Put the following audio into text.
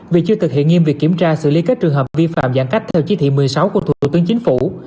vì chưa thực hiện nghiêm việc kiểm tra xử lý các trường hợp vi phạm giãn cách theo chí thị một mươi sáu của thủ tướng chính phủ